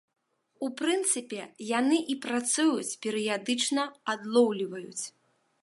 У прынцыпе, яны і працуюць, перыядычна адлоўліваюць.